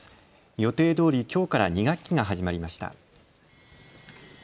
予定どおりきょうから２学期が始まりました。